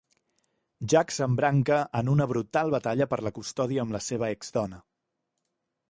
Jack s'embranca en una brutal batalla per la custòdia amb la seva exdona.